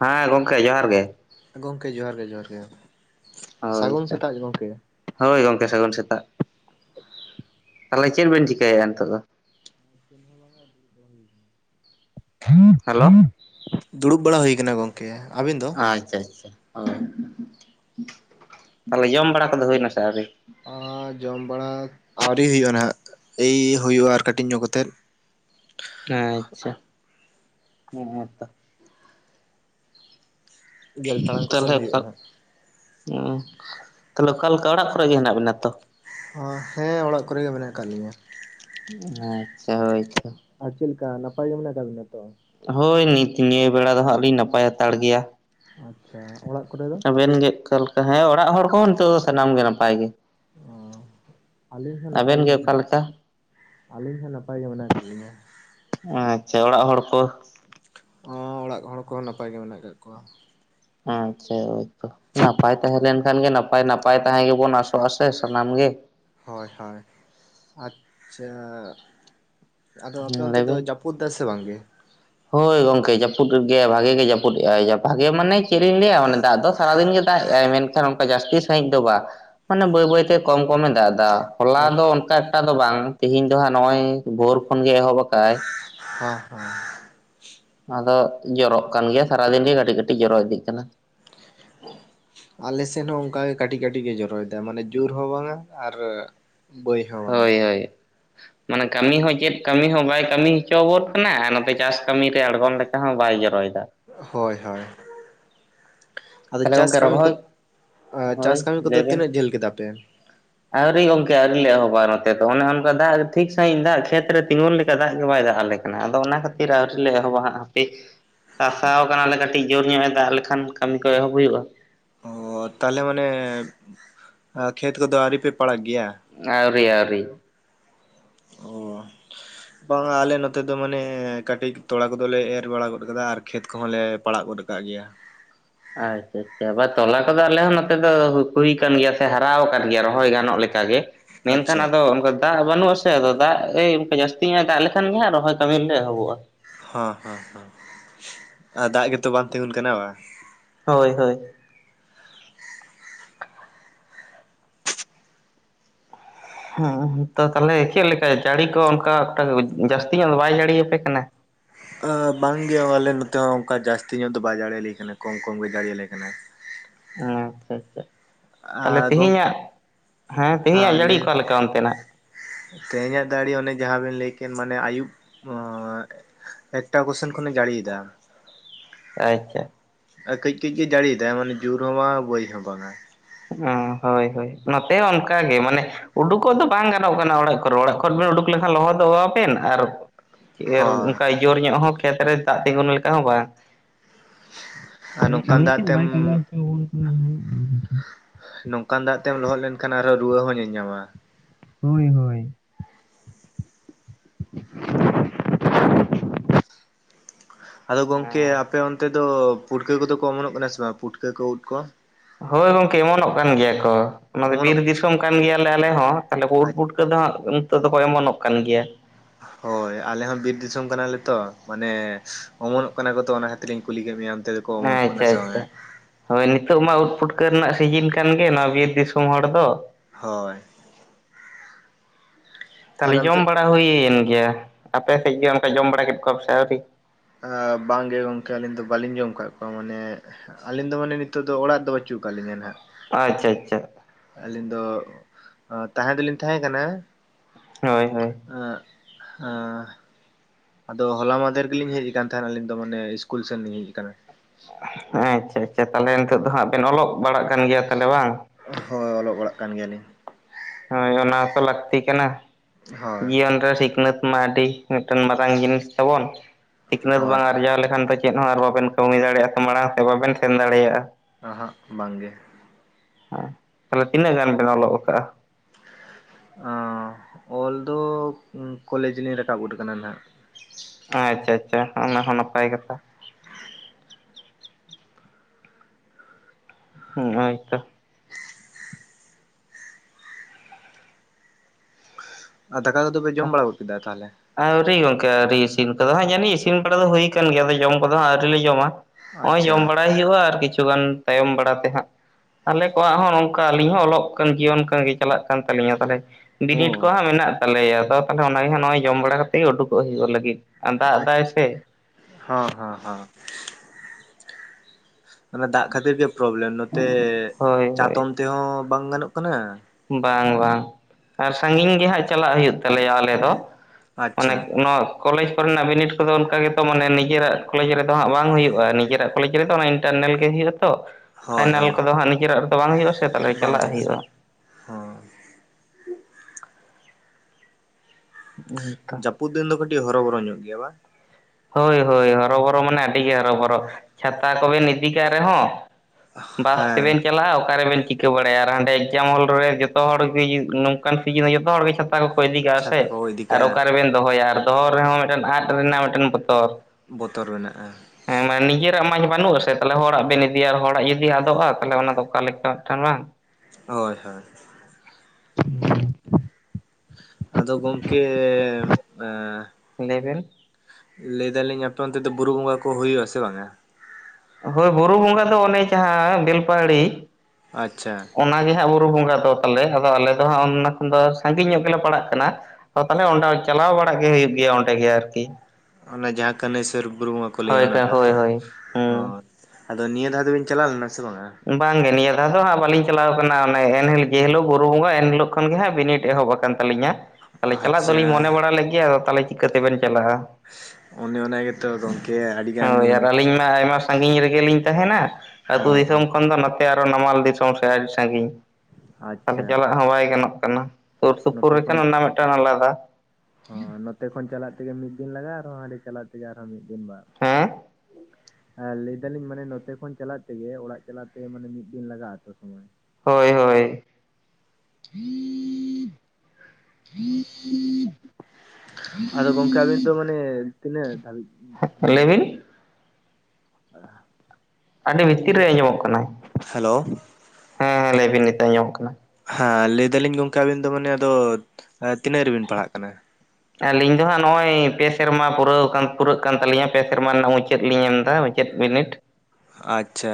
ᱦᱮᱸ ᱜᱚᱝᱠᱮ ᱡᱚᱦᱟᱨ ᱜᱮ ᱜᱚᱝᱠᱮ ᱡᱚᱦᱟᱨ ᱜᱮ ᱡᱚᱦᱟᱨ ᱜᱮ ᱦᱳᱭ ᱥᱟᱹᱜᱩᱱ ᱛᱚ ᱥᱮᱛᱟᱜ ᱜᱚᱝᱠᱮ ᱦᱳᱭ ᱜᱚᱝᱠᱮ ᱥᱟᱹᱜᱩᱱ ᱥᱮᱛᱟᱜ ᱛᱟᱦᱚᱞᱮ ᱪᱮᱫ ᱵᱮᱱ ᱪᱤᱠᱟᱭᱮᱫᱼᱟ ᱱᱤᱛᱚᱜ ᱫᱚ ᱦᱮᱞᱳ [inaudible] ᱫᱩᱲᱩᱵ ᱵᱟᱲᱟ ᱦᱩᱭ ᱟᱠᱟᱱᱟ ᱜᱚᱝᱠᱮ ᱾ ᱟᱹᱵᱤᱱ ᱫᱚ? ᱟᱪᱪᱷᱟ ᱟᱪᱪᱷᱟ ᱾ ᱦᱳᱭ, ᱛᱟᱦᱚᱞᱮ ᱡᱚᱢ ᱵᱟᱲᱟ ᱠᱚᱫᱚ ᱦᱩᱭ ᱱᱟᱥᱮ ᱟᱹᱣᱨᱤ? ᱚ ᱡᱚᱢ ᱵᱟᱲᱟ ᱟᱹᱣᱨᱤ ᱦᱩᱭᱩᱜᱼᱟ ᱱᱟᱦᱜ ᱮᱭ ᱦᱩᱭᱩᱜᱼᱟ ᱟᱨ ᱠᱟᱹᱴᱤᱡ ᱧᱚᱜ ᱠᱟᱛᱮᱜ ᱾ ᱟᱪᱪᱷᱟ, ᱦᱮᱸᱛᱚ ᱾ ᱜᱮᱞ ᱴᱟᱲᱟᱝ ᱠᱚᱥᱮᱱ ᱛᱟᱦᱚᱞᱮ ᱦᱩᱭᱩᱜᱼᱟ ᱚᱠᱟ ᱦᱚᱸ ᱛᱟᱦᱞᱮ ᱚᱠᱟ ᱞᱮᱠᱟ ᱚᱲᱟᱜ ᱠᱚᱨᱮ ᱜᱮ ᱦᱮᱱᱟᱜ ᱵᱤᱱᱟ ᱛᱚ? ᱦᱮᱸ, ᱚᱲᱟᱜ ᱠᱚᱨᱮᱜ ᱢᱮᱱᱟᱜ ᱟᱠᱟᱫ ᱞᱤᱧᱟᱹ ᱾ ᱟᱪᱪᱷᱟ, ᱦᱳᱭᱛᱚ ᱾ ᱟᱨ ᱪᱮᱫ ᱞᱮᱠᱟ ᱱᱟᱯᱟᱭ ᱜᱮ ᱢᱮᱱᱟᱜ ᱟᱠᱟᱫ ᱵᱮᱱᱟ ᱛᱚ? ᱦᱳᱭ ᱾ ᱱᱤᱛ ᱱᱤᱭᱟᱹ ᱵᱮᱲᱟ ᱫᱚ ᱦᱟᱸᱜ ᱞᱤᱧ ᱱᱟᱯᱟᱭ ᱦᱟᱛᱟᱲ ᱜᱮᱭᱟ ᱾ ᱟᱪᱪᱷᱟ᱾ ᱟᱪᱪᱷᱟ ᱾ ᱚᱲᱟᱜ ᱠᱚᱨᱮ ᱫᱚ? ᱟᱵᱮᱱ ᱜᱮ ᱚᱠᱟ ᱞᱮᱠᱟ? ᱦᱮᱸ, ᱚᱲᱟᱜ ᱦᱚᱲ ᱠᱚᱦᱚᱸ ᱱᱤᱛᱚᱜ ᱫᱚ ᱥᱟᱱᱟᱢ ᱜᱮ ᱱᱟᱯᱟᱭ ᱜᱮ ᱾ ᱚ ᱟᱹᱞᱤᱧ ᱦᱚᱸ ᱱᱟᱯᱟᱭ ᱜᱮ ᱢᱮᱱᱟᱜ, ᱟᱹᱞᱤᱧ ᱦᱚᱸ ᱱᱟᱯᱟᱭ ᱜᱮ ᱢᱮᱱᱟᱜ ᱞᱤᱧᱟ ᱾ ᱟᱪᱪᱷᱟ, ᱚᱲᱟᱜ ᱦᱚᱲ ᱠᱚ? ᱚ, ᱚᱲᱟᱜ ᱦᱚᱲ ᱠᱚᱦᱚᱸ ᱱᱟᱯᱟᱭ ᱜᱮ ᱢᱮᱱᱟᱜ ᱟᱠᱟᱜ ᱠᱚᱣᱟ ᱾ ᱦᱮᱸ ᱟᱪᱪᱷᱟ ᱦᱳᱭᱛᱚ ᱱᱟᱯᱟᱭ ᱛᱟᱦᱮᱸ ᱞᱮᱱᱠᱷᱟᱱ ᱜᱮ ᱱᱟᱯᱟᱭ ᱱᱟᱯᱟᱭ ᱛᱟᱦᱮᱸ ᱜᱮᱵᱚᱱ ᱟᱥᱚᱜᱼᱟ ᱥᱮ ᱥᱟᱱᱟᱢ ᱜᱮ ᱾ ᱦᱳᱭ, ᱦᱳᱭ ᱾ ᱟᱪᱪᱷᱟ, ᱟᱫᱚ ᱟᱯᱮ ᱦᱮᱸ ᱚᱱᱛᱮ ᱫᱚ ᱞᱟᱹᱭᱵᱤᱱ ᱡᱟᱯ ᱾ ᱯᱩᱫ ᱥᱮ ᱵᱟᱝᱜᱮ? ᱦᱳᱭ ᱜᱚᱝᱠᱮ, ᱡᱟᱹᱯᱩᱫ ᱮᱫ ᱜᱮ ᱵᱷᱟᱜᱮ ᱜᱮ ᱡᱟᱹᱯᱩᱫ ᱟᱭ ᱵᱷᱟᱜᱮ ᱢᱟᱱᱮ ᱪᱮᱫ ᱞᱤᱧ ᱞᱟᱹᱭᱟ ᱢᱟᱱᱮ ᱫᱟᱜ ᱫᱚ ᱥᱟᱨᱟᱫᱤᱱ ᱜᱮ ᱫᱟᱜ ᱮᱜᱼ ᱟᱭ ᱾ ᱢᱮᱱᱠᱷᱟᱱ ᱮᱱᱠᱷᱟᱱ ᱚᱱᱠᱟ ᱡᱟᱹᱥᱛᱤ ᱥᱟᱺᱦᱤᱡ ᱫᱚ ᱵᱟᱝ, ᱢᱟᱱᱮ ᱵᱟᱹᱭ ᱵᱟᱹᱭᱛᱮ ᱠᱚᱢ ᱠᱚᱢᱮ ᱫᱟᱜ ᱮᱫᱟ ᱾ ᱦᱚᱞᱟ ᱟᱪ ᱫᱚ ᱚᱱᱠᱟ ᱮᱠᱴᱟ ᱫᱚ ᱵᱟᱝ, ᱛᱮᱤᱦᱮᱧ ᱫᱚ ᱦᱟᱸᱜ ᱱᱚᱜᱼᱚᱭ ᱵᱷᱳᱨ ᱠᱷᱚᱱᱜᱮ ᱮᱦᱚᱵ ᱟᱠᱟᱫ ᱟᱭ ᱾ ᱦᱮᱸ ᱦᱮᱸ ᱾ ᱟᱫᱚ ᱡᱚᱨᱚᱜ ᱠᱟᱱ ᱜᱮᱭᱟ ᱥᱟᱨᱟᱫᱤᱱ ᱜᱮ ᱠᱟᱹᱴᱤᱡ ᱠᱟᱹᱴᱤᱡ ᱡᱚᱨᱚ ᱤᱫᱤᱜ ᱠᱟᱱᱟ ᱾ ᱟᱞᱮ ᱥᱮᱫ ᱦᱚᱸ ᱚᱱᱠᱟ ᱜᱮ ᱠᱟᱹᱴᱤᱡ ᱠᱟᱹᱴᱤᱡ ᱜᱮ ᱡᱚᱨᱚᱭᱮᱫᱟᱭ ᱢᱟᱱᱮ ᱡᱳᱨ ᱦᱚᱸ ᱵᱟᱝᱟ ᱟᱨ ᱵᱟᱹᱭ ᱦᱚ ᱦᱳᱭ ᱦᱳᱭ, ᱢᱟᱱᱮ ᱠᱟᱹᱢᱤ ᱦᱚᱸ ᱪᱮᱫ ᱠᱟᱹᱢᱤ ᱦᱚᱸ ᱵᱟᱭ ᱠᱟᱹᱢᱤ ᱦᱚᱪᱚᱣᱟᱵᱚᱱ ᱠᱟᱱᱟ ᱾ ᱱᱚᱛᱮ ᱪᱟᱥ ᱠᱟᱹᱢᱤ ᱨᱮ ᱟᱬᱜᱚᱱ ᱞᱮᱠᱟ ᱦᱚᱸ ᱵᱟᱭ ᱡᱚᱨᱚᱭᱮᱫᱟ ᱾ ᱦᱳᱭ ᱦᱳᱭ ᱾ ᱟᱫᱚ ᱛᱟᱦᱚᱞᱮ ᱪᱟᱥ ᱜᱚᱝᱠᱮ ᱠᱟᱹᱢᱤ ᱠᱚ ᱨᱚᱦᱚᱭ ᱪᱟᱥ ᱦᱳᱭ ᱠᱟᱹᱢᱤ ᱠᱚᱫᱚ ᱞᱟᱹᱭ ᱵᱮᱱ ᱛᱤᱱᱟᱹᱜ ᱡᱷᱟᱹᱞ ᱠᱮᱫᱟ ᱯᱮ? ᱟᱹᱣᱨᱤ ᱜᱚᱢᱠᱮ ᱟᱹᱣᱨᱤ ᱞᱮ ᱮᱦᱚᱵᱟ ᱱᱚᱛᱮ ᱫᱚ ᱚᱱᱮ ᱚᱱᱠᱟ ᱫᱟᱜ ᱴᱷᱤᱠ ᱥᱟᱺᱦᱤᱡ ᱫᱟᱜ ᱠᱷᱮᱛᱨᱮ ᱛᱤᱸᱜᱩᱱ ᱞᱮᱠᱟ ᱫᱟᱜ ᱜᱮ ᱵᱟᱭ ᱫᱟᱜ ᱟᱞᱮ, ᱟᱫᱚ ᱚᱱᱟ ᱠᱷᱟᱹᱛᱤᱨ ᱟᱹᱣᱨᱤᱤᱞᱳ ᱮᱦᱚᱵᱟ ᱦᱟᱸᱜ ᱦᱟᱯᱮ ᱾ ᱥᱟᱥᱟᱣ ᱠᱟᱱᱟᱞᱮ ᱠᱟᱹᱴᱤᱡ ᱡᱳᱨ ᱧᱚᱜ ᱮ ᱫᱟᱜ ᱞᱮᱠᱷᱟᱱ ᱠᱟᱹᱢᱤ ᱠᱚ ᱮᱦᱚᱵ ᱦᱩᱭᱩᱜᱼᱟ ᱾ ᱚ, ᱛᱟᱦᱚᱞᱮ ᱢᱟᱱᱮ ᱠᱷᱮᱛ ᱠᱚᱫᱚ ᱟᱹᱣᱨᱤ ᱯᱮ ᱯᱟᱲᱟᱜ ᱜᱮᱭᱟ? ᱟᱹᱣᱨᱤ ᱟᱹᱣᱨᱤ ᱾ ᱚ ᱾ ᱵᱟᱝ ᱟᱞᱮ ᱱᱚᱛᱮ ᱫᱚ ᱢᱟᱱᱮ ᱠᱟᱹᱴᱤᱡ ᱛᱚᱲᱟ ᱠᱚᱫᱚ ᱞᱮ ᱮᱨ ᱵᱟᱲᱟ ᱜᱚᱫ ᱠᱟᱫᱟ ᱟᱨ ᱠᱷᱮᱛ ᱠᱚᱦᱚᱸ ᱞᱮ ᱯᱟᱲᱟᱜ ᱜᱚᱫ ᱟᱠᱟᱫᱟ ᱾ ᱠᱟᱜ ᱜᱮᱭᱟ ᱾ ᱟᱪᱪᱷᱟ, ᱟᱪᱪᱷᱟ ᱾ ᱵᱟ ᱛᱚᱞᱟ ᱠᱚᱫᱚ ᱟᱞᱮ ᱦᱚᱸ ᱱᱚᱛᱮ ᱫᱚ ᱦᱩᱭ ᱟᱠᱟᱱᱟ ᱜᱮᱭᱟ ᱥᱮ, ᱦᱟᱨᱟ ᱟᱠᱟᱱ ᱜᱮᱭᱟ ᱨᱚᱦᱚᱭ ᱜᱟᱱᱚᱜ ᱞᱮᱠᱟ ᱜᱮ ᱾ ᱢᱮᱱᱠᱷᱟᱱ ᱟᱪᱪᱷᱟ ᱟᱫᱚ ᱚᱱᱠᱟ ᱫᱟᱜ ᱵᱟᱹᱱᱩᱜᱼᱟᱥᱮ ᱟᱫᱚ ᱫᱟᱜ ᱚᱱ ᱡᱟᱹᱥᱛᱤ ᱧᱚᱜ ᱫᱟᱜ ᱞᱮᱠᱷᱟᱱ ᱜᱮ ᱦᱟᱸᱜ ᱨᱚᱦᱚᱭ ᱠᱟᱹᱢᱤ ᱞᱮ ᱮᱦᱚᱵᱚᱜᱼᱟ ᱾ ᱦᱮᱸ ᱦᱮᱸ, ᱦᱮᱸ ᱟᱨ ᱫᱟᱜ ᱜᱮᱛᱚ ᱵᱟᱝ ᱛᱤᱜᱩᱱ ᱠᱟᱱᱟ, ᱵᱟᱝ ᱾ ᱦᱳᱭ ᱦᱳᱭ ᱾ ᱦᱮᱸ, ᱛᱚ ᱛᱟᱦᱚᱞᱮ ᱪᱮᱫ ᱞᱮᱠᱟ ᱡᱟᱹᱲᱤ ᱠᱚ ᱚᱱᱠᱟ ᱡᱟᱹᱥᱛᱤ ᱧᱚᱜ ᱫᱚ ᱵᱟᱭ ᱡᱟᱹᱲᱤᱭᱟ ᱟᱯᱮ ᱠᱟᱱᱟ? ᱵᱟᱝᱜᱮ ᱟᱞᱮ ᱱᱚᱛᱮ ᱦᱚᱸ ᱚᱱᱠᱟ ᱡᱟᱹᱥᱛᱤ ᱧᱚᱜ ᱫᱚ ᱵᱟᱭ ᱡᱟᱲᱤᱭᱟᱞᱮ ᱠᱟᱱᱟ ᱠᱚᱢ ᱠᱚᱢ ᱜᱮ ᱡᱟᱲᱤᱭᱟᱞᱮ ᱠᱟᱱᱟᱭ ᱾ ᱟᱪᱪᱷᱟ ᱟᱪᱪᱷᱟ ᱛᱟᱦᱚᱞᱮ ᱟᱨ ᱜᱚᱝᱠᱮ ᱛᱦᱮᱧᱟᱜ ᱦᱮᱸ ᱛᱮᱦᱮᱧᱟᱜ ᱡᱟᱹᱲᱤ ᱚᱠᱟᱞᱮᱠᱟ ᱚᱱᱛᱮᱱᱟᱜ ᱛᱮᱦᱮᱧᱟᱜ ᱫᱟᱲᱤ ᱚᱱᱮ ᱡᱟᱦᱟᱸ ᱵᱤᱱ ᱞᱟᱹᱭ ᱠᱮᱫ ᱢᱟᱱᱮ ᱟᱹᱭᱩᱵ ᱮᱠᱴᱟ ᱠᱚ ᱥᱮᱱ ᱠᱷᱚᱱᱮ ᱡᱟᱹᱲᱤ ᱭᱮᱫᱟ ᱟᱪᱪᱷᱟ ᱟᱨ ᱠᱟᱹᱡ ᱠᱟᱹᱡ ᱜᱮᱭ ᱡᱟᱹᱲᱤ ᱮᱫᱟᱭ ᱢᱟᱱᱮ ᱡᱩᱨ ᱦᱚᱸ ᱵᱟᱝ ᱵᱟᱹᱭ ᱦᱚᱸ ᱵᱟᱝᱟ ᱚ ᱦᱳᱭ ᱦᱳᱭ ᱱᱚᱛᱮ ᱚᱱᱠᱟᱜ ᱜᱮ ᱢᱟᱱᱮ ᱩᱰᱩᱠᱚᱜ ᱫᱚ ᱵᱟᱝ ᱜᱟᱱᱚᱜ ᱠᱟᱱᱟ ᱚᱲᱟᱜ ᱠᱚᱨᱮ ᱚᱲᱟᱜ ᱠᱷᱚᱱ ᱵᱮᱱ ᱩᱰᱩᱠ ᱞᱮᱱᱠᱷᱟᱱ ᱞᱚᱦᱚᱫᱚᱜ ᱟᱵᱮᱱ ᱟᱨ [unintelligible] ᱦᱳᱭ ᱚᱱᱠᱟ ᱡᱳᱨ ᱧᱚᱜ ᱦᱚᱸ ᱠᱷᱮᱛᱨᱮ ᱫᱟᱜ ᱛᱤᱸᱜᱩᱩᱱ ᱞᱮᱠᱟ ᱦᱚᱸ ᱵᱟᱝ ᱟᱨ [unintelligible] ᱱᱚᱝᱠᱟᱱ ᱠᱟᱹᱢᱤ ᱫᱟᱜ ᱛᱮᱫ ᱛᱮᱢ ᱵᱟᱭ ᱠᱟᱹᱢᱤ ᱦᱚᱪᱚᱣᱟ ᱵᱚᱱ ᱠᱟᱱᱟ ᱡᱟᱦᱟᱱᱟᱜ ᱱᱚᱝᱠᱟᱱ ᱫᱟᱜ ᱛᱮᱢ ᱞᱚᱦᱚᱫ ᱞᱮᱱᱠᱷᱟᱱ ᱟᱨᱦᱚᱸ ᱨᱩᱣᱟᱹ ᱦᱚᱸ ᱧᱟᱧᱟᱢᱟ ᱦᱳᱭ ᱦᱳᱭ ᱟᱫᱚ ᱜᱚᱝᱠᱮ ᱟᱪᱪᱷᱟ ᱟᱯᱮ ᱚᱱᱛᱮ ᱫᱚ ᱯᱩᱴᱠᱟᱹ ᱠᱚᱫᱚ ᱠᱚ ᱚᱢᱚᱱᱚᱜ ᱠᱟᱱᱟ ᱥᱮ ᱵᱟᱝ ᱯᱩᱴᱠᱟᱹ ᱠᱚ ᱩᱫ ᱠᱚ ᱦᱳᱭ ᱜᱚᱝᱠᱮ ᱮᱢᱚᱱᱚᱜ ᱠᱟᱱ ᱜᱮᱭᱟ ᱠᱚ ᱚᱱᱟ ᱫᱚ ᱵᱤᱨ ᱚᱢᱚᱱᱚᱜ ᱵᱤᱨ ᱮᱛᱚᱢ ᱠᱟᱱ ᱜᱮᱭᱟᱞᱮ ᱟᱞᱮ ᱦᱚᱸ, ᱛᱟᱦᱚᱞᱮ ᱩᱫᱽᱯᱩᱴᱠᱟᱹ ᱠᱚ ᱫᱚ ᱦᱟᱸᱜ ᱱᱤᱛᱚᱜ ᱫᱚᱠᱚ ᱮᱢᱚᱱᱚᱜ ᱠᱟᱱ ᱜᱮᱭᱟ ᱾ ᱦᱳᱭ, ᱟᱞᱮ ᱦᱚᱸ ᱵᱤᱨ ᱫᱤᱥᱚᱢ ᱠᱟᱱᱟᱞᱮ ᱛᱚ ᱢᱟᱱᱮ ᱚᱢᱚᱱᱚᱜ ᱠᱟᱱᱟ ᱠᱚ ᱛᱚ ᱚᱱᱟ ᱠᱷᱟᱹᱛᱤᱨᱤᱧ ᱠᱩᱞᱤ ᱠᱮᱫ ᱢᱮᱭᱟ ᱾ ᱛᱮ ᱠᱚ ᱚᱢᱚᱱᱚᱜ ᱠᱟᱱᱟ ᱟᱪᱪᱷᱟ ᱥᱮ ᱵᱟᱝᱟ ᱟᱪᱪᱷᱟ ᱾ ᱦᱳᱭ, ᱱᱤᱛᱳ ᱢᱟ ᱩᱫᱽᱯᱩᱴᱠᱟᱹ ᱨᱮᱱᱟᱜ ᱥᱤᱡᱤᱱ ᱠᱟᱱ ᱜᱮ ᱱᱚᱣᱟ ᱵᱤᱨ ᱫᱤᱥᱚᱢ ᱦᱚᱲ ᱫᱚ ᱾ ᱦᱳᱭ ᱾ ᱛᱟᱦᱚᱞᱮ ᱡᱚᱢ ᱵᱟᱲᱟ ᱦᱩᱭᱮᱱ ᱜᱮᱭᱟ ᱟᱯᱮ ᱥᱮᱫ ᱜᱮ ᱚᱱᱠᱟ ᱡᱚᱢ ᱵᱟᱲᱟ ᱠᱮᱫ ᱠᱚᱣᱟ ᱯᱮ ᱥᱮ ᱟᱹᱣᱨᱤᱭᱟ ᱵᱟᱝᱜᱮ ᱜᱚᱢᱠᱮ ᱟᱹᱞᱤᱧ ᱫᱚ ᱵᱟᱹᱞᱤᱧ ᱡᱚᱢ ᱟᱠᱟᱫ ᱠᱚᱣᱟ ᱢᱟᱱᱮ ᱟᱹᱞᱤᱧ ᱫᱚ ᱢᱟᱱᱮ ᱱᱤᱛᱚᱜ ᱫᱚ ᱚᱲᱟᱜ ᱫᱚ ᱵᱟᱹᱪᱩᱜ ᱟᱠᱟᱫ ᱞᱤᱧᱟᱹ ᱱᱟᱜ ᱟᱪᱪᱷᱟ ᱟᱪᱪᱷᱟ ᱟᱹᱞᱤᱧ ᱫᱚ ᱛᱟᱦᱮᱸ ᱫᱚᱞᱤᱧ ᱛᱟᱦᱮᱸ ᱠᱟᱱᱟ ᱦᱳᱭ ᱦᱳᱭ [unintelligible] ᱟᱫᱚ ᱦᱚᱞᱟ ᱢᱟᱫᱮᱨ ᱜᱮᱞᱤᱧ ᱦᱮᱡ ᱟᱠᱟᱱ ᱛᱟᱦᱮᱸ ᱟᱹᱞᱤᱧ ᱫᱚ ᱢᱟᱱᱮ ᱤᱥᱠᱩᱞ ᱥᱮᱱ ᱞᱤᱧ ᱦᱮᱡ ᱟᱠᱟᱱᱟ ᱟᱪᱪᱷᱟ ᱟᱪᱪᱷᱟ ᱛᱟᱦᱚᱞᱮ ᱱᱤᱛᱚᱜ ᱫᱚ ᱦᱟᱸᱜ ᱵᱤᱱ ᱚᱞᱚᱜ ᱵᱟᱲᱟᱜ ᱠᱟᱱ ᱜᱮᱭᱟ ᱛᱟᱦᱚᱞᱮ ᱵᱟᱝ ᱦᱳᱭ ᱚᱞᱚᱜ ᱯᱟᱲᱟᱜ ᱠᱟᱱ ᱜᱮᱭᱟᱞᱤᱧ᱾ ᱦᱳᱭ ᱚᱱᱟ ᱦᱚᱸᱛᱚ ᱞᱟᱹᱠᱛᱤ ᱠᱟᱱᱟ ᱦᱳᱭ ᱡᱤᱭᱚᱱ ᱨᱮ ᱥᱤᱠᱷᱱᱟᱹᱛ ᱟᱹᱰᱤ ᱢᱤᱫᱴᱟᱝ ᱢᱟᱨᱟᱝ ᱡᱤᱱᱤᱥ ᱛᱟᱵᱚᱱ ᱥᱤᱠᱷᱱᱟᱹᱛ ᱦᱳᱭ ᱵᱟᱝ ᱦᱳᱭ ᱟᱨᱡᱟᱣ [unintelligible] ᱠᱷᱟᱱ ᱫᱚ ᱪᱮᱫ ᱦᱚᱸ ᱟᱨ ᱵᱟᱵᱮᱱ ᱠᱟᱹᱢᱤ ᱫᱟᱲᱮᱭᱟᱜᱼᱟ ᱥᱮ ᱢᱟᱲᱟᱝ ᱥᱮᱫ ᱵᱟᱵᱮᱱ ᱥᱮᱱ ᱫᱟᱲᱮᱭᱟᱜᱼᱟ᱾ ᱚᱸᱦᱚᱜ ᱵᱟᱝᱜᱮ [unintelligible] ᱛᱟᱦᱚᱞᱮ ᱛᱤᱱᱟᱹᱜ ᱜᱟᱱ ᱵᱮᱱ ᱚᱞᱚᱜ ᱟᱠᱟᱜᱼᱟ? ᱚᱸ ᱚᱞ ᱫᱚ ᱠᱚᱞᱮᱡᱽ ᱞᱤᱧ ᱨᱟᱠᱟᱵ ᱜᱚᱫ ᱟᱠᱟᱱᱟ ᱱᱟᱜ ᱟᱪᱪᱷᱟ ᱟᱪᱪᱷᱟ ᱚᱱᱟ ᱦᱚᱸ ᱱᱟᱯᱟᱭ ᱠᱟᱛᱷᱟ ᱦᱩᱸ ᱦᱳᱭ ᱛᱚ ᱟᱨ ᱫᱟᱠᱟ ᱠᱚᱫᱚ ᱯᱮ ᱡᱚᱢ ᱵᱟᱲᱟ ᱠᱮᱫᱟ ᱛᱟᱦᱚᱞᱮ ᱟᱹᱣᱨᱤ ᱜᱚᱝᱠᱮ ᱟᱹᱣᱨᱤ ᱤᱥᱤᱱ ᱠᱚᱫᱚ ᱦᱟᱸᱜ ᱡᱟᱹᱱᱤᱡ ᱤᱥᱤᱱ ᱵᱟᱲᱟ ᱫᱚ ᱦᱩᱭ ᱠᱟᱱ ᱜᱮᱭᱟ ᱡᱚᱢ ᱠᱚᱫᱚ ᱦᱟᱸᱜ ᱟᱹᱣᱨᱤ ᱞᱮ ᱡᱚᱢᱟ᱾ ᱦᱚᱸᱜᱼᱚᱭ ᱟᱪᱪᱷᱟ ᱡᱚᱢ ᱵᱟᱲᱟᱭ ᱦᱩᱭᱩᱜᱼᱟ ᱟᱨ ᱠᱤᱪᱷᱩᱜᱟᱱ ᱛᱟᱭᱚᱢ ᱵᱟᱲᱟ ᱛᱮᱦᱟᱸᱜ ᱟᱞᱮ ᱠᱚᱣᱟᱜ ᱦᱚᱸ ᱱᱚᱝᱠᱟ ᱟᱹᱞᱤᱧ ᱦᱚᱸ ᱚᱞᱚᱜ ᱠᱟᱱ ᱡᱤᱭᱚᱱ ᱠᱟᱱ ᱜᱮ ᱪᱟᱞᱟᱜ ᱠᱟᱱ ᱛᱟᱹᱞᱤᱧᱟ ᱛᱟᱦᱚᱞᱮ ᱚ ᱵᱤᱱᱤᱰ ᱠᱚ ᱦᱟᱸᱜ ᱢᱮᱱᱟᱜ ᱛᱟᱞᱮᱭᱟ ᱛᱚ ᱛᱟᱦᱚᱞᱮ ᱚᱱᱟᱜᱮ ᱱᱚᱜᱼᱚᱭ ᱡᱚᱢ ᱵᱟᱲᱟ ᱠᱟᱛᱮ ᱩᱰᱩᱠᱚᱜ ᱦᱩᱭᱩᱜ ᱞᱟᱹᱜᱤᱫ᱾ ᱫᱟᱜ ᱟᱪ ᱫᱟᱭ ᱥᱮ ᱦᱚᱸ ᱦᱚᱸ ᱦᱚᱸ ᱚᱱᱟ ᱫᱟᱜ ᱠᱷᱟᱹᱛᱤᱨ ᱜᱮ ᱯᱨᱚᱵᱽᱞᱮᱢ ᱱᱚᱛᱮ ᱦᱳᱭ ᱦᱳᱭ ᱪᱟᱛᱚᱢ ᱛᱮᱦᱚᱸ ᱵᱟᱝ ᱜᱟᱱᱚᱜ ᱠᱟᱱᱟ ᱵᱟᱝ ᱵᱟᱝ ᱟᱨ ᱥᱟᱺᱜᱤᱧ ᱜᱮᱦᱟᱸᱜ ᱪᱟᱞᱟᱜ ᱦᱩᱭᱩᱜ ᱛᱟᱞᱮᱭᱟ ᱟᱞᱮ ᱫᱚ ᱟᱪᱪᱷᱟ [unintelligible] ᱠᱚᱞᱮᱡᱽ ᱠᱚᱨᱮᱱᱟᱜ ᱵᱤᱱᱤᱰ ᱠᱚᱫᱚ ᱚᱱᱠᱟ ᱜᱮᱛᱚ ᱢᱟᱱᱮ ᱱᱤᱡᱮᱨᱟᱜ ᱠᱚᱞᱮᱡᱽ ᱨᱮᱫᱚ ᱦᱟᱸᱜ ᱵᱟᱝ ᱦᱩᱭᱩᱜᱼᱟ ᱱᱤᱡᱮᱨᱟᱜ ᱠᱚᱞᱮᱡᱽ ᱨᱮᱫᱚ ᱴᱟᱨᱱᱮᱞ ᱜᱮ ᱦᱩᱭᱩᱜ ᱟ ᱛᱚ ᱦᱳᱭ ᱯᱷᱟᱭᱱᱮᱞ ᱦᱳᱭ ᱠᱚᱫᱚ ᱦᱟᱸᱜ ᱱᱤᱡᱮᱨᱟᱜ ᱨᱮᱫᱚ ᱵᱟᱝ ᱦᱩᱭᱩᱜᱼᱟᱥᱮ ᱛᱟᱦᱚᱞᱮ ᱪᱟᱞᱟᱜ ᱦᱩᱭᱩᱜᱼᱟ ᱦᱚᱸ ᱚᱝᱠᱟ [unintelligible] ᱫᱚ ᱠᱟᱹᱴᱤᱡ ᱦᱚᱨᱚ ᱵᱚᱨᱚ ᱧᱚᱜ ᱜᱮᱭᱟ ᱵᱟᱝ ᱦᱳᱭ ᱦᱳᱭ ᱦᱚᱨᱚᱵᱚᱨᱚ ᱢᱟᱱᱮ ᱟᱹᱰᱤ ᱜᱮ ᱦᱚᱨᱚᱵᱚᱨᱚ ᱪᱷᱟᱛᱟ ᱠᱚᱵᱤᱱ ᱱᱤᱫᱤᱠᱟᱜ ᱨᱮ ᱦᱚᱸ ᱵᱟᱥ ᱦᱮᱸ ᱛᱮᱵᱤᱱ ᱪᱟᱞᱟᱜᱼᱟ ᱚᱠᱟᱨᱮᱵᱤᱱ ᱪᱤᱠᱟᱹ ᱠᱟᱹ ᱵᱟᱲᱟᱭᱟ ᱟᱨ ᱦᱟᱸᱰᱮ ᱮᱠᱡᱟᱢ ᱦᱚᱞ ᱨᱮ ᱡᱚᱛᱚ ᱦᱚᱲ ᱜᱮ ᱭᱩᱜ ᱱᱚᱝᱠᱟᱱ ᱥᱤᱡᱤᱱ ᱫᱚ ᱡᱚᱛᱚ ᱦᱚᱲ ᱜᱮ ᱪᱷᱟᱛᱼᱼ ᱛᱟ ᱠᱚᱠᱚ ᱤᱫᱤ ᱠᱟᱜ-ᱟ ᱥᱮ ᱪᱷᱟᱛᱟ ᱠᱚ ᱤᱫᱤ ᱟᱨ ᱚᱠᱟ ᱠᱟᱜᱼᱟ ᱨᱮᱵᱮᱱ ᱫᱚᱦᱚᱭᱟ ᱟᱨ ᱫᱚᱦᱚ ᱨᱮᱦᱚᱸ ᱢᱤᱫᱴᱮᱱ ᱟᱫ ᱨᱮᱱᱟᱜ ᱢᱤᱫᱴᱮᱱ ᱵᱚᱛᱚᱨᱼᱼ ᱵᱚᱛᱚᱨ ᱢᱮᱱᱟᱜᱼᱟ᱾ ᱦᱮᱸ ᱢᱟᱱᱮ ᱱᱤᱡᱮᱨᱟᱜ ᱢᱟᱡᱽ ᱵᱟᱱᱩᱜ-ᱟ ᱥᱮ ᱛᱟᱦᱚᱞᱮ ᱦᱚᱲᱟᱜ ᱵᱮᱱ ᱤᱫᱤᱭᱟ ᱦᱚᱲᱟᱜ ᱡᱩᱫᱤ ᱟᱫᱚᱜ-ᱟ ᱛᱟᱦᱚᱞᱮ ᱚᱱᱟ ᱫᱚ ᱚᱠᱟ ᱞᱮᱠᱟ ᱢᱤᱫᱴᱟᱱ ᱵᱟᱝ᱾ ᱦᱚᱭ ᱦᱚᱭ᱾ [inaudible] ᱟᱫᱚ ᱜᱚᱝᱠᱮ ᱮᱸᱻ ᱼᱼᱼ ᱞᱟᱹᱭ ᱵᱮᱱ? ᱞᱟᱹᱭ ᱫᱟᱞᱤᱧ ᱟᱯᱮ ᱚᱱᱛᱮ ᱫᱚ ᱵᱩᱨᱩ ᱵᱚᱸᱜᱟ ᱠᱚ ᱦᱩᱭᱩᱜ-ᱟ ᱥᱮ ᱵᱟᱝᱟ? ᱦᱳᱭ ᱵᱩᱨᱩ ᱵᱚᱸᱜᱟ ᱫᱚ ᱚᱱᱮ ᱡᱟᱦᱟᱸ ᱵᱮᱞᱯᱟᱦᱲᱤᱼᱼ ᱟᱪᱪᱷᱟ᱾ ᱚᱱᱟᱜᱮ ᱦᱟᱸᱜ ᱵᱩᱨᱩ ᱵᱚᱸᱜᱟ ᱫᱚ ᱛᱟᱞᱮ ᱟᱫᱚ ᱟᱞᱮ ᱫᱚ ᱦᱟᱸᱜ ᱚᱱᱟ ᱠᱷᱚᱱ ᱫᱚ ᱥᱟᱺᱜᱤᱧ ᱧᱚᱜ ᱜᱮᱞᱮ ᱯᱟᱲᱟᱜ ᱠᱟᱱᱟ ᱛᱚ ᱛᱟᱦᱚᱞᱮ ᱚᱸᱰᱮ ᱪᱟᱞᱟᱣ ᱵᱟᱲᱟᱜ ᱜᱮ ᱦᱩᱭᱩᱜ ᱜᱮᱭᱟ ᱚᱸᱰᱮ ᱜᱮ ᱟᱨᱠᱤ ᱚᱱᱮ ᱡᱟᱦᱟᱸ ᱠᱟᱹᱱᱟᱹᱭᱥᱚᱨ ᱵᱩᱨᱩ ᱵᱚᱸᱜᱟ ᱠᱚ ᱞᱟᱹᱭᱟ ᱦᱳᱭ ᱚᱱᱟᱴᱟᱜ ᱦᱳᱭ ᱛᱚ ᱦᱳᱭ ᱦᱩᱸ ᱟᱫᱚ ᱱᱤᱭᱟᱹ ᱫᱷᱟᱣ ᱫᱩᱵᱤᱱ ᱪᱟᱞᱟᱣ ᱞᱮᱱᱟ ᱥᱮ ᱵᱟᱝᱟᱜ? ᱵᱟᱝ ᱜᱮ ᱱᱤᱭᱟᱹ ᱫᱷᱟᱣ ᱫᱚ ᱦᱟᱸᱜ ᱵᱟᱞᱤᱧ ᱪᱟᱞᱟᱣ ᱟᱠᱟᱱᱟ ᱚᱱᱮ ᱮᱱᱮᱞ‌ ᱡᱮ ᱦᱤᱞᱚᱜ ᱵᱳᱨᱳ ᱵᱚᱸᱜᱟ ᱮᱱ ᱦᱤᱞᱳᱜ ᱠᱷᱚᱱ ᱜᱮ ᱦᱟᱸᱜ ᱵᱤᱱᱤᱰ ᱮᱦᱚᱵ ᱟᱠᱼᱼ ᱠᱟᱱ ᱛᱟᱹᱞᱤᱧᱟ ᱛᱟᱦᱚᱞᱮ ᱪᱟᱞᱟᱜ ᱟᱪᱪᱷᱟ ᱫᱚᱞᱤᱧ ᱢᱚᱱᱮ ᱵᱟᱲᱟ ᱞᱮᱜ ᱜᱮᱭᱟ ᱟᱫᱚ ᱛᱟᱦᱮᱞᱮ ᱪᱤᱠᱟᱹ ᱛᱮᱵᱮᱱ ᱪᱟᱞᱟᱜ-ᱟ᱾ [inaudible] ᱜᱮᱛᱚ ᱜᱚᱢᱠᱮ ᱟᱹᱰᱤᱜᱟᱱ ᱦᱚᱭ ᱟᱨ ᱟᱞᱤᱧ ᱢᱟ ᱟᱭᱢᱟ ᱥᱟᱸᱜᱤᱧ ᱨᱮᱜᱮ ᱞᱤᱧ ᱛᱟᱦᱮᱱᱟ ᱟᱛᱩ ᱦᱟᱣ ᱫᱤᱥᱚᱢ ᱦᱟᱣ ᱠᱷᱚᱼᱼ ᱛᱚᱠᱷᱚᱱ ᱫᱚ ᱱᱚᱛᱮ ᱟᱨᱚ ᱱᱟᱢᱟᱞ ᱫᱤᱥᱚᱢ ᱥᱮᱜ ᱟᱰᱤ ᱥᱟᱸᱜᱤᱧ ᱛᱟᱦᱚᱞᱮ ᱟᱪᱪᱷᱟ ᱪᱟᱞᱟᱜ ᱦᱚᱸ ᱵᱟᱭ ᱜᱟᱱᱚᱜ ᱠᱟᱱᱟ᱾ ᱥᱩᱨ ᱥᱩᱯᱩᱨ ᱱᱚᱛᱮ ᱨᱮᱠᱷᱟᱱ ᱠᱷᱚᱱ ᱚᱱᱟ ᱢᱤᱫᱴᱟᱱ ᱟᱞᱟᱫᱟ᱾ ᱚᱛᱮ ᱠᱷᱚᱱ ᱪᱟᱞᱟᱜ ᱛᱮᱜᱮ ᱢᱤᱫ ᱫᱤᱱ ᱞᱟᱜᱟᱜ-ᱟ ᱟᱨᱚᱸ ᱦᱟᱸᱰᱮ ᱪᱟᱞᱟᱜ ᱛᱮᱜᱮ ᱟᱨᱦᱚᱸ ᱢᱤᱫ ᱫᱤᱱ ᱵᱟᱫᱼᱼ ᱦᱮᱸ ᱮᱸ ᱞᱟᱹᱭ ᱫᱟᱞᱤᱧ ᱢᱟᱱᱮ ᱱᱚᱛᱮ ᱠᱷᱚᱱ ᱪᱟᱞᱟᱜ ᱛᱮᱜᱮ ᱚᱲᱟᱜ ᱪᱟᱞᱟᱜ ᱛᱮ ᱢᱟᱱᱮ ᱢᱤᱫ ᱫᱤᱱ ᱞᱟᱜᱟᱜ-ᱟ ᱛᱚ ᱥᱚᱢᱚᱭ᱾ ᱦᱚᱭ ᱦᱚᱭ᱾ ᱟᱫᱚ ᱜᱚᱝᱠᱮ ᱟᱵᱤᱱ ᱫᱚ ᱢᱟᱱᱮ ᱛᱤᱱᱟᱹᱜ ᱫᱷᱟᱵᱤᱡᱼᱼ ᱦᱮᱜ ᱞᱟᱹᱭ ᱵᱤᱱ? [inaudible] ᱟᱰᱤ ᱵᱷᱤᱛᱤᱨ ᱨᱮᱭ ᱟᱸᱡᱚᱢᱚᱜ ᱠᱟᱱᱟᱭ᱾ ᱦᱮᱞᱚᱣ᱾ ᱦᱮᱸᱻ ᱞᱟᱹᱭ ᱵᱤᱱ ᱱᱤᱛ ᱟᱧᱡᱚᱢᱚᱜ ᱠᱟᱱᱟ? ᱦᱟᱸ ᱞᱟᱹᱭ ᱫᱟᱞᱤᱧ ᱜᱚᱝᱠᱮ ᱟᱵᱤᱱ ᱫᱚ ᱢᱟᱱᱮ ᱟᱫᱚ ᱮ ᱛᱤᱱᱟᱹᱜ ᱨᱮᱵᱤᱱ ᱯᱟᱲᱦᱟᱜ ᱠᱟᱱᱟ? ᱟᱹᱞᱤᱧ ᱫᱚ ᱦᱟᱸᱜ ᱱᱚᱜ-ᱚᱭ ᱯᱮ ᱥᱮᱨᱢᱟ ᱯᱩᱨᱟᱹᱣ ᱠᱟᱱ ᱯᱩᱨᱟᱹᱜ ᱠᱟᱱ ᱛᱟᱹᱞᱤᱧᱟ ᱯᱮ ᱥᱮᱨᱢᱟ ᱨᱮᱱᱟᱜ ᱢᱩᱪᱟᱹᱫ ᱞᱤᱧ ᱮᱢ ᱫᱟ ᱪᱟᱹᱫ ᱵᱤᱱᱤᱴ᱾ ᱟᱪᱪᱷᱟ᱾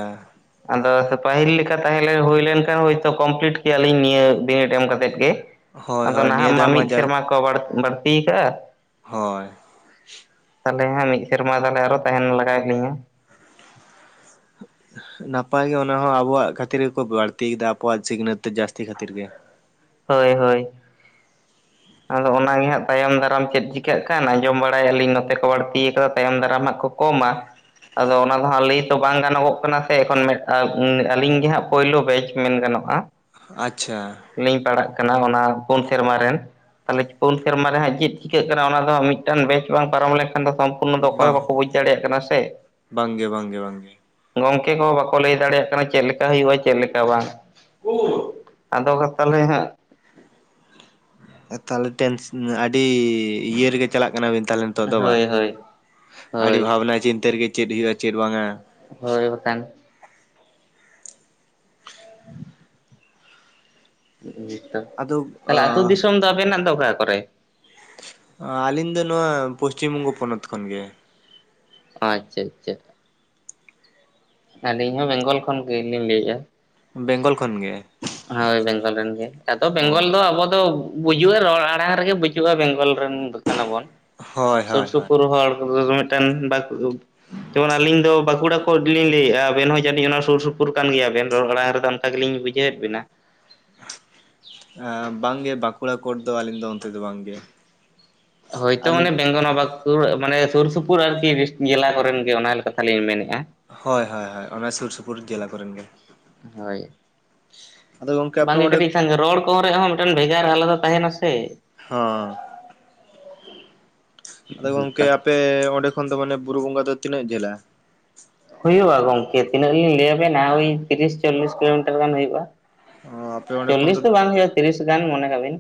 ᱟᱫᱚ ᱥᱮ ᱯᱟᱦᱤᱞ ᱞᱮᱠᱟ ᱛᱟᱦᱮᱸ ᱞᱮ ᱦᱩᱭ ᱞᱮᱱᱠᱷᱟᱱ ᱦᱳᱭᱛᱚ ᱠᱚᱢᱯᱤᱞᱤᱴ ᱠᱮᱭᱟ ᱞᱤᱧ ᱱᱤᱭᱟᱹ ᱵᱤᱱᱤᱰ ᱮᱢ ᱠᱟᱛᱮᱫ ᱜᱮ᱾ ᱦᱳᱭ ᱟᱫᱚ ᱦᱳᱭ ᱱᱤᱭᱟᱹ ᱱᱟᱦᱟᱸᱜ ᱢᱟ ᱫᱷᱟᱣ ᱢᱤᱫ ᱡᱟ ᱥᱮᱨᱢᱟ ᱠᱚ ᱵᱟᱲ ᱵᱟᱲᱛᱤᱭ ᱠᱟᱜ-ᱟ᱾ ᱦᱚᱭ᱾ ᱛᱟᱦᱚᱞᱮ ᱦᱟᱸᱜ ᱢᱤᱫ ᱥᱮᱨᱢᱟ ᱛᱟᱦᱚᱞᱮ ᱟᱨᱚ ᱛᱟᱦᱮᱱ ᱞᱟᱜᱟᱣᱮᱜ ᱞᱤᱧᱟ᱾ [unintelligible] ᱱᱟᱯᱟᱭ ᱜᱮ ᱚᱱᱟ ᱦᱚᱸ ᱟᱵᱚᱣᱟᱜ ᱠᱷᱟᱛᱤᱨ ᱜᱮᱠᱚ ᱵᱟᱲᱛᱤᱭ ᱫᱟ ᱟᱵᱚᱣᱟᱜ ᱥᱤᱠᱷᱱᱟᱹᱛ ᱡᱟᱥᱛᱤ ᱠᱷᱟᱛᱤᱨ ᱜᱮ᱾ ᱦᱳᱭ ᱦᱳᱭ᱾ [inaudible] ᱟᱫᱚ ᱚᱱᱟ ᱜᱮ ᱦᱟᱸᱜ ᱛᱟᱭᱚᱢ ᱫᱟᱨᱟᱢ ᱪᱮᱫ ᱪᱤᱠᱟᱜ ᱠᱟᱱ ᱟᱸᱡᱚᱢ ᱵᱟᱲᱟᱭᱮᱜ ᱟᱹᱞᱤᱧ ᱱᱚᱛᱮ ᱠᱚ ᱵᱟᱹᱲᱛᱤᱭ ᱠᱟᱫᱟ ᱛᱟᱭᱚᱢ ᱫᱟᱨᱟᱢ ᱦᱟᱸᱜ ᱱᱟᱜ ᱠᱚᱼᱼ ᱠᱚ ᱢᱟ᱾ ᱟᱫᱚ ᱚᱱᱟ ᱫᱚ ᱦᱟᱸᱜ ᱞᱟᱹᱭ ᱛᱚ ᱵᱟᱝ ᱜᱟᱱᱚᱜᱚᱜ ᱠᱟᱱᱟ ᱥᱮ ᱮᱠᱷᱚᱱ ᱢᱮᱜᱴᱟᱝ ᱩᱸ ᱟᱹᱞᱤᱧ ᱜᱮ ᱦᱟᱸᱜ ᱯᱳᱭᱞᱳ ᱵᱮᱪ ᱢᱮᱱ ᱜᱟᱱᱚᱜ-ᱟ᱾ ᱟᱪᱪᱷᱟ᱾ ᱞᱤᱧ ᱯᱟᱲᱟᱜ ᱠᱟᱱᱟ ᱚᱱᱟ ᱯᱩᱱ ᱥᱮᱨᱢᱟ ᱨᱮᱱ᱾ [unintelligible] ᱯᱩᱱ ᱥᱮᱨᱢᱟ ᱨᱮ ᱦᱟᱸᱜ ᱪᱤᱫ ᱪᱤᱠᱟᱹᱜ ᱠᱟᱱᱟ ᱚᱱᱟ ᱫᱚ ᱦᱟᱸᱜ ᱢᱤᱫᱴᱟᱱ ᱵᱮᱪ ᱵᱟᱝ ᱯᱟᱨᱚᱢ ᱞᱮᱠᱷᱟᱱ ᱫᱚ‌ ᱠᱚᱢᱼᱼ ᱩᱱ ᱫᱚ ᱚᱠᱚᱭ ᱦᱚᱸ ᱵᱟᱝ ᱵᱟᱠᱚ ᱵᱩᱡᱽ ᱫᱟᱲᱮᱭᱟᱜ ᱠᱟᱱᱟ ᱥᱮ᱾ ᱵᱟᱝᱜᱮ ᱵᱟᱝᱜᱮ ᱵᱟᱝᱜᱮ ᱜᱚᱝᱠᱮ ᱠᱚᱦᱚᱸ ᱵᱟᱠᱚ ᱞᱟᱹᱭ ᱫᱟᱲᱮᱭᱟᱜ ᱠᱟᱱᱟ ᱪᱮᱫ ᱞᱮᱠᱟ ᱦᱩᱭᱩᱜ-ᱟ ᱪᱮᱜ ᱞᱮᱠᱟ ᱵᱟᱝ᱾ [unintelligible] ᱟᱫᱚ ᱠᱟ ᱛᱟᱞᱮ ᱦᱟᱸᱜ ᱛᱟᱦᱚᱞᱮ ᱴᱮᱱ ᱟᱹᱰᱤ ᱤᱭᱟᱹ ᱨᱮᱜᱮ ᱪᱟᱞᱟᱜ ᱠᱟᱱᱟᱵᱤᱱ ᱛᱟᱦᱚᱞᱮ ᱱᱤᱛᱚᱜᱫᱚ ᱵᱟᱝ ᱦᱳᱭ ᱦᱳᱭ ᱟᱹᱰᱤ ᱦᱳᱭ ᱵᱷᱟᱵᱽᱱᱟ ᱪᱤᱱᱛᱟᱹ ᱨᱮᱜᱮ ᱪᱮᱫ ᱦᱩᱭᱩᱜᱼᱟ ᱪᱮᱫ ᱵᱟᱝᱟ ᱦᱳᱭ ᱵᱟᱠᱷᱟᱱ [inaudible] ᱟᱫᱚ [unintelligible] ᱛᱟᱦᱞᱮ ᱟᱹᱛᱩ ᱫᱤᱥᱚᱢ ᱫᱚ ᱟᱵᱮᱱᱟᱜ ᱫᱚ ᱚᱠᱟ ᱠᱚᱨᱮ ᱟᱹᱞᱤᱧ ᱫᱚ ᱱᱚᱣᱟ ᱯᱚᱥᱪᱤᱢ ᱵᱚᱝᱜᱚ ᱯᱚᱱᱚᱛ ᱠᱷᱚᱱ ᱜᱮ ᱟᱪᱪᱷᱟ ᱟᱪᱪᱷᱟ ᱟᱹᱞᱤᱧ ᱦᱚᱸ ᱵᱮᱝᱜᱚᱞ ᱠᱷᱚᱱ ᱜᱮᱞᱤᱧ ᱞᱟᱹᱭᱮᱫᱼᱟ ᱵᱮᱝᱜᱚᱞ ᱠᱷᱚᱱ ᱜᱮ ᱦᱳᱭ ᱵᱮᱝᱜᱚᱞ ᱨᱮᱱ ᱜᱮ ᱟᱫᱚ ᱵᱮᱝᱜᱚᱞ ᱚ ᱫᱚ ᱟᱵᱚ ᱫᱚ ᱵᱩᱡᱩᱜᱼᱟ ᱨᱚᱲ ᱟᱲᱟᱝ ᱨᱮᱜᱮ ᱵᱩᱡᱩᱜᱼᱟ ᱵᱮᱝᱜᱚᱞ ᱨᱮᱱ ᱠᱟᱱᱟ ᱵᱚᱱ ᱦᱳᱭ ᱥᱩᱨ ᱦᱳᱭ ᱦᱳᱭ ᱥᱩᱯᱩᱨ ᱦᱚᱲ [unintelligible] ᱢᱤᱫᱴᱮᱱ ᱵᱟᱠᱩᱵᱼᱼ ᱡᱮᱢᱚᱱ ᱟᱞᱤᱧ ᱫᱚ ᱵᱟᱸᱠᱩᱲᱟ ᱠᱚᱫᱽ ‌ᱞᱤᱧ ᱞᱟᱹᱭᱮᱜ-ᱟ ᱟᱵᱮᱱ ᱦᱚᱸ ᱡᱟᱹᱱᱤᱡ ᱚᱱᱟ ᱥᱩᱨ ᱥᱩᱯᱩᱨ ᱠᱟᱱ ᱜᱮᱭᱟ ᱵᱮᱱ ᱨᱚᱲ ᱟᱬᱟᱝ ᱨᱮᱫᱚᱼᱼ ᱠᱟ‌ ᱜᱤᱞᱤᱧ ᱵᱩᱡᱷᱟᱹᱣᱮᱫ ᱵᱤᱱᱟ᱾ ᱵᱟᱝᱜᱮ ᱵᱟᱸᱠᱩᱲᱟ ᱠᱳᱰ ᱫᱚ ᱟᱹᱞᱤᱧ ᱫᱚ ᱚᱱᱛᱮ ᱫᱚ ᱵᱟᱝᱜᱮ ᱦᱚᱭᱛᱳ ᱢᱟᱱᱮ ᱟᱹᱞᱤᱧ ᱵᱮᱝᱜ ᱱᱚᱵᱟᱜ ᱢᱟᱱᱮ ᱥᱩᱨ ᱥᱩᱯᱩᱨ ᱟᱨᱠᱤ ᱡᱮᱞᱟ ᱠᱚᱨᱮᱱ ᱜᱮ ᱚᱱᱟ ᱠᱟᱛᱷᱟ ᱞᱤᱧ ᱢᱮᱱᱮᱫᱼᱟ ᱦᱳᱭ ᱦᱳᱭ ᱦᱳᱭ ᱚᱱᱟ ᱥᱩᱨ ᱥᱩᱯᱩᱨ ᱡᱮᱞᱟ ᱠᱚᱨᱮᱱ ᱜᱮ ᱦᱳᱭ ᱟᱫᱚ ᱜᱚᱝᱠᱮ ᱟᱯᱮ ᱵᱟᱝᱜᱮ ᱚᱸᱰᱮ ᱠᱟᱹᱴᱤᱡ ᱥᱟᱸᱜᱮ ᱨᱚᱲ ᱠᱚᱨᱮ ᱦᱚᱸ ᱢᱤᱫᱴᱟᱝ ᱵᱷᱮᱜᱟᱨ ᱟᱞᱟᱫᱟ ᱛᱟᱦᱮᱱᱟ ᱥᱮ ᱦᱻ ᱟᱫᱚ ᱜᱚᱝᱠᱮ ᱦᱮᱸᱛᱚ ᱟᱯᱮ ᱚᱸᱰᱮ ᱠᱷᱚᱱ ᱫᱚ ᱢᱟᱱᱮ ᱵᱩᱨᱩ ᱵᱚᱸᱜᱟ ᱫᱚ ᱛᱤᱱᱟᱹᱜ ᱡᱮᱞᱟ ᱦᱩᱭᱩᱜᱼᱟ ᱜᱚᱝᱠᱮ ᱛᱤᱱᱟᱹᱜ ᱞᱤᱧ ᱞᱟᱹᱭᱟᱵᱮᱱᱟ ᱳᱭ ᱛᱤᱨᱤᱥ ᱪᱚᱞᱞᱤᱥ ᱠᱤᱞᱳᱢᱤᱴᱟᱨ ᱜᱟᱱ ᱦᱩᱭᱩᱜᱼᱟ ᱚ ᱟᱯᱮ ᱚᱸᱰᱮ ᱠᱷᱚᱱ ᱪᱚᱞᱞᱤᱥ ᱫᱚ ᱵᱟᱝ ᱦᱩᱭᱩᱜᱼᱟ ᱛᱤᱨᱤᱥ ᱜᱟᱱ ᱢᱚᱱᱮ ᱠᱟᱜᱵᱤᱱ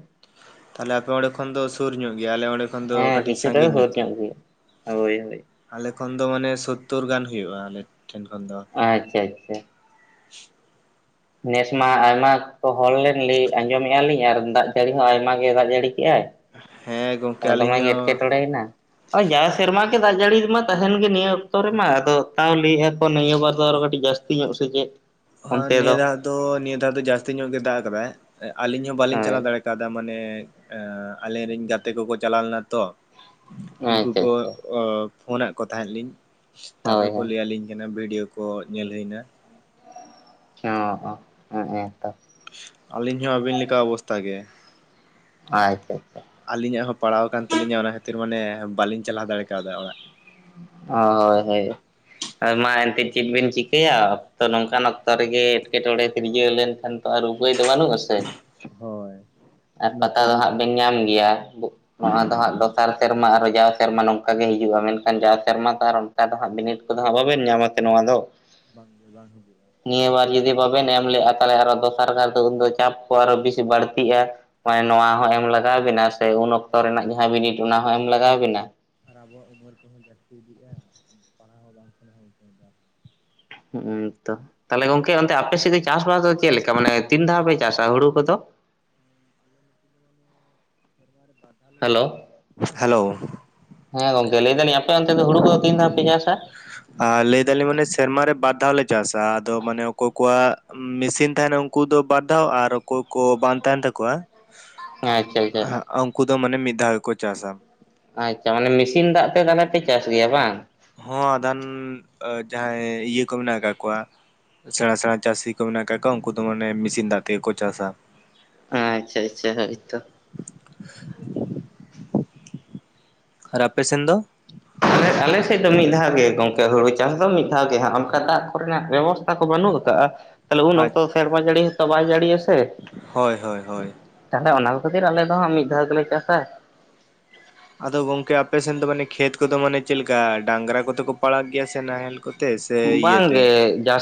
ᱛᱟᱦᱞᱮ ᱟᱯᱮ ᱚᱸᱰᱮ ᱠᱷᱚᱱ ᱫᱚ ᱥᱩᱨ ᱧᱚᱜ ᱜᱮᱭᱟ ᱟᱞᱮ ᱚᱸᱰᱮ ᱠᱷᱚᱱ ᱫᱚ ᱦᱮᱸ ᱠᱟᱹᱴᱤᱡ ᱠᱤᱪᱷᱩᱴᱟ ᱫᱚ ᱥᱟᱺᱜᱤᱧ ᱥᱩᱨ ᱧᱚᱜ ᱜᱮᱭᱟ ᱦᱳᱭ ᱦᱳᱭ ᱟᱞᱮ ᱠᱷᱚᱱ ᱫᱚ ᱢᱟᱱᱮ ᱥᱳᱛᱛᱳᱨ ᱜᱟᱱ ᱦᱩᱭᱩᱜᱼᱟ ᱟᱞᱮ ᱴᱷᱮᱱ ᱠᱷᱚᱱ ᱫᱚ ᱟᱪᱪᱷᱟ ᱟᱪᱪᱷᱟ ᱱᱮᱥ ᱢᱟ ᱟᱭᱢᱟ ᱠᱚ ᱦᱚᱲ ᱞᱮᱱ ᱞᱮᱭ ᱟᱸᱡᱚᱢᱮᱫᱼᱟ ᱞᱤᱧ ᱟᱨ ᱫᱟᱜ ᱡᱟᱹᱲᱤ ᱦᱚᱸ ᱟᱭᱢᱟ ᱜᱮ ᱫᱟᱜ ᱡᱟᱹᱲᱤ ᱠᱮᱜᱟᱭ ᱜᱚᱝᱠᱮ ᱦᱮᱸ ᱫᱢᱮ ᱟᱹᱞᱤᱧ ᱜᱮ ᱮᱴᱠᱮ ᱴᱲᱮᱭᱱᱟ ᱡᱟᱦᱟ ᱥᱮᱨᱢᱟ ᱜᱮ ᱫᱟᱜ ᱡᱟᱹᱲᱤ ᱢᱟ ᱛᱟᱦᱮᱱ ᱜᱮ ᱱᱤᱭᱟᱹ ᱚᱠᱛᱚ ᱨᱮᱢᱟ ᱟᱫᱚ ᱛᱟᱣ ᱞᱟᱹᱭᱮᱫᱼᱟ ᱠᱚ ᱱᱤᱭᱟᱹ ᱵᱟᱨ ᱫᱚ ᱟᱨᱚ ᱠᱟᱹᱴᱤᱡ ᱡᱟᱹᱛᱤ ᱦᱧᱚᱜ ᱥᱮ ᱪᱮᱫ ᱦ ᱱᱤᱭᱟᱹ ᱫᱟᱹᱳ ᱫᱚ ᱱᱤᱭᱟᱹ ᱫᱟᱹᱳ ᱫᱚ ᱡᱟᱹᱥᱛᱤ ᱧᱚᱜ ᱜᱮ ᱫᱟᱜ ᱟᱠᱟᱫᱟᱭ ᱟᱹᱞᱤᱧ ᱦᱚᱸ ᱵᱟᱟᱹᱞᱤᱧ ᱦᱳᱭ ᱪᱟᱞᱟᱣ ᱫᱟᱲᱮ ᱠᱟᱣᱫᱟ ᱢᱟᱱᱮ ᱟᱞᱮᱨᱮᱱ ᱜᱟᱛᱮ ᱠᱚᱠᱚ ᱪᱟᱞᱟᱣ ᱞᱮᱱᱟ ᱛᱚ ᱩᱱᱠᱩ ᱠᱚ ᱟᱪᱪᱷᱟ ᱟᱪᱪᱷᱟ ᱯᱷᱳᱫ ᱠᱚ ᱛᱟᱦᱮᱸᱫ ᱞᱤᱧ ᱛᱟᱯᱚᱨᱮ ᱦᱳᱭ ᱠᱚ ᱦᱳᱭ ᱞᱭᱟᱹ ᱟᱹᱞᱤᱧ ᱠᱟᱱᱟ ᱵᱷᱤᱰᱭᱳ ᱠᱚ ᱠᱚ ᱧᱮᱞ ᱦᱩᱭᱱᱟ ᱚ ᱛᱚ ᱟᱹᱞᱤᱧ ᱦᱚᱸ ᱟᱹᱵᱤᱱ ᱞᱮᱠᱟ ᱚᱵᱚᱥᱛᱟ ᱜᱮ ᱟᱪᱪᱷᱟ ᱟᱪᱪᱷᱟ ᱟᱹᱞᱤᱧᱟᱜ ᱦᱚᱸ ᱯᱟᱲᱟᱣ ᱟᱠᱟᱱ ᱛᱟᱹᱟᱞᱤᱧᱟ ᱚᱱᱟ ᱠᱷᱟᱹᱛᱤᱨ ᱢᱟᱱᱮ ᱵᱟᱹᱞᱤᱧ ᱪᱟᱞᱟᱣ ᱫᱟᱲᱮ ᱠᱟᱣᱫᱟ ᱚᱲᱟᱜ ᱚ ᱦᱳᱭ ᱦᱳᱭ ᱢᱟ ᱮᱱᱛᱮᱫ ᱪᱮᱫ ᱵᱤᱱ ᱪᱤᱠᱟᱹᱭᱟ ᱚᱠᱛᱚ ᱱᱚᱝᱠᱟᱱ ᱚᱠᱛᱚ ᱨᱮᱜᱮ ᱮᱴᱠᱮᱴᱚᱬᱮ ᱛᱤᱨᱡᱟᱹᱣ ᱞᱮᱱᱠᱷᱟᱱ ᱛᱚ ᱟᱨ ᱩᱟᱯᱹᱭ ᱫᱚ ᱵᱟᱹᱱᱩᱜ ᱟᱥᱮ ᱦᱳᱭ ᱟᱨ ᱱᱚᱛᱮ ᱯᱟᱛᱟ ᱫᱚ ᱨᱮ ᱦᱟᱸᱜ ᱵᱤᱱ ᱧᱟᱢ ᱜᱮᱭᱟ ᱦᱮᱸ ᱱᱚᱣᱟ ᱫᱚ ᱦᱟᱸᱜ ᱫᱚᱥᱟᱨ ᱥᱮᱨᱢᱟ ᱟᱨᱚ ᱡᱟᱣ ᱥᱮᱨᱢᱟ ᱱᱚᱝᱠᱟ ᱜᱮ ᱦᱤᱡᱩᱜᱼᱟ ᱢᱮᱱᱠᱷᱟᱱ ᱟᱢᱡᱟᱣ ᱥᱮᱨᱢᱟ ᱛᱚ ᱟᱨ ᱚᱱᱠᱟ ᱫᱚ ᱦᱜ ᱵᱤᱱᱤᱴ ᱠᱚᱫᱚ ᱦᱟᱸᱜ ᱵᱟᱵᱮᱱ ᱧᱟᱢᱟᱥᱮ ᱱᱚᱣᱟ ᱫᱚ ᱵᱟᱝᱜᱮ ᱵᱟᱝᱦᱤᱡᱩᱼᱟ ᱱᱤᱭᱟᱹ ᱵᱟᱨ ᱡᱩᱫᱤ ᱵᱟᱵᱮᱱ ᱮᱢ ᱞᱮᱜᱼᱟ ᱛᱟᱦᱚᱞᱮ ᱟᱨᱚ ᱫᱚᱥᱟᱨ ᱠᱟᱨ ᱛᱮ ᱩᱱᱫᱚ ᱪᱟᱯ ᱠᱚ ᱟᱨᱚ ᱵᱮᱥᱤ ᱵᱟᱹᱲᱛᱤᱜᱼᱟ ᱦᱚᱭ ᱱᱚᱣᱟ ᱦᱚᱸ ᱮᱢ ᱞᱟᱜᱟᱣ ᱵᱤᱱᱟ ᱥᱮ ᱩᱱ ᱚᱠᱛᱚ ᱨᱮᱱᱟᱜ ᱡᱟᱦᱟᱸ ᱵᱤᱱᱤᱴ ᱚᱱᱟ ᱦᱚᱸ ᱮᱢ ᱞᱟᱜᱟᱣ ᱵᱤᱱᱟ ᱟᱨ ᱟᱵᱚᱣᱟᱜ ᱩᱢᱮᱨ ᱠᱚᱦᱚᱸ ᱡᱟᱹ [inaudible] ᱦᱩ ᱛᱚ ᱛᱟᱦᱞᱮ ᱜᱚᱝᱠᱮ ᱚᱱᱛᱮ ᱟᱯᱮ ᱥᱮᱫ ᱜᱮ ᱪᱟᱥᱵᱟᱥ ᱫᱚ ᱪᱮᱫ ᱞᱮᱠᱟ ᱢᱟᱱᱮ ᱛᱤᱱ ᱫᱷᱟᱣ ᱯᱮ ᱪᱟᱥᱟ ᱦᱩᱲᱩ ᱠᱚᱫᱚ ᱦᱮᱞᱳ ᱦᱮᱞᱳ ᱦᱮᱸ ᱜᱚᱢᱠᱮ ᱞᱟᱹᱭ ᱫᱟᱞᱤᱧ ᱟᱯᱮᱚᱱᱛᱮ ᱫᱚ ᱦᱩᱲᱩ ᱠᱚᱫᱚ ᱛᱤᱱᱫᱦᱟᱣ ᱯᱮ ᱪᱟᱥᱟ ᱟᱨ ᱞᱟᱹᱭ ᱫᱟᱞᱤᱧ ᱢᱟᱱᱮ ᱥᱮᱨᱢᱟᱨᱮ ᱵᱟᱨ ᱫᱷᱟᱣ ᱞᱮ ᱪᱟᱥᱟ ᱟᱫᱚ ᱢᱟᱱᱮ ᱚᱠᱚᱭ ᱠᱚᱣᱟᱜ ᱢᱮᱥᱤᱱ ᱛᱟᱦᱮᱱᱟ ᱩᱱᱠᱩ ᱫᱚ ᱵᱟᱫᱽᱫᱷᱟᱣ ᱟᱨ ᱚᱠᱚᱭ ᱠᱚ ᱵᱟᱝ ᱛᱟᱦᱮᱱ ᱛᱟᱠᱚᱣᱟ ᱦᱮᱸ ᱪᱮᱜ ᱞᱮᱠᱟᱹ ᱩᱱᱠᱩ ᱫᱚ ᱢᱟᱱᱮ ᱢᱤᱫ ᱫᱷᱟᱣ ᱜᱮ ᱠᱚ ᱪᱟᱥᱟ ᱟᱪᱷᱟ ᱢᱟᱱᱮ ᱢᱮᱥᱤᱱ ᱫᱟᱜ ᱛᱮ ᱛᱟᱦᱚᱞᱮ ᱯᱮ ᱪᱟᱥ ᱜᱮᱭᱟ ᱵᱟᱝ ᱦᱚᱸ ᱟᱫᱟᱱ ᱡᱟᱦᱟᱸᱭ ᱤᱭᱟᱹ ᱠᱚ ᱢᱮᱱᱟᱜ ᱟᱠᱟᱫ ᱠᱚᱣᱟ ᱥᱮᱬᱟ ᱥᱮᱬᱟ ᱪᱟᱹᱥᱤ ᱠᱚ ᱢᱮᱱᱟᱜ ᱟᱠᱟᱫ ᱠᱚᱣᱟ ᱩᱱᱠᱩ ᱫᱚ ᱢᱟᱱᱮ ᱢᱮᱥᱤᱱ ᱫᱟᱜ ᱛᱮᱜᱮ ᱠᱚ ᱪᱟᱥᱟ ᱟᱪᱷᱟ ᱟᱪᱷᱟ ᱦᱳᱭᱛᱚ ᱟᱨ ᱟᱯᱮᱥᱮᱱ ᱫᱚ ᱟᱞᱮ ᱟᱞᱮᱮᱥᱮᱫ ᱫᱚ ᱢᱤᱫ ᱫᱷᱟᱣ ᱜᱮ ᱜᱚᱢᱠᱮ ᱦᱩᱲᱩ ᱪᱟᱥ ᱫᱚ ᱢᱤᱫ ᱫᱷᱟᱣ ᱜᱮ ᱦᱟᱸᱜ ᱚᱱᱠᱟ ᱫᱟᱜ ᱠᱚᱨᱮᱱᱟᱜ ᱵᱮᱵᱚᱥᱛᱟᱷᱟ ᱠᱚ ᱵᱟᱹᱱᱩᱜ ᱟᱠᱟᱜᱼᱟ ᱛᱟᱦᱞᱮ ᱩᱱ ᱟᱡ ᱚᱠᱛᱚ ᱥᱮᱲᱢᱟ ᱡᱟᱹᱲᱤ ᱦᱚᱛᱚ ᱵᱟᱭ ᱡᱟᱹᱲᱤᱭᱟᱥᱮ ᱦᱳᱭ ᱦᱳᱭ ᱦᱳᱭ ᱛᱟᱦᱚᱞᱮ ᱚᱱᱟ ᱠᱷᱟᱹᱛᱤᱨ ᱟᱞᱮ ᱫᱚ ᱦᱟᱸᱜ ᱢᱤᱫ ᱫᱷᱟᱣ ᱜᱮᱞᱮ ᱪᱟᱥᱟ᱾ ᱟᱫᱚ ᱜᱚᱝᱠᱮ ᱟᱯᱮᱥᱱ ᱫᱚ ᱢᱟᱱᱮ ᱠᱷᱮᱛ ᱠᱚᱫᱚ ᱢᱟᱱᱮ ᱪᱮᱫ ᱞᱮᱠᱟ ᱰᱟᱝᱨᱟ ᱠᱚᱫᱚ ᱠᱚ ᱯᱟᱲᱟᱜ ᱜᱮᱭᱟ ᱥᱮ ᱱᱟᱦᱮᱞ ᱠᱚ ᱛᱮ ᱥᱮ ᱤᱭᱟᱹ ᱛᱮ ᱵᱟᱝᱜᱮ ᱡᱟᱹᱥ